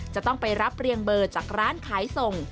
จะต้องไปรับเรียงเบอร์จากร้านขายส่ง